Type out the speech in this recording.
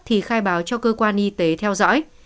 thì khai báo cho cơ quan y tế theo dõi